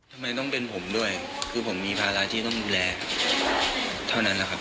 ทำไมต้องเป็นผมด้วยคือผมมีภาระที่ต้องดูแลเท่านั้นแหละครับ